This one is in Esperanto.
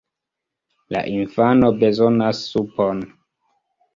La infano bezonas supon!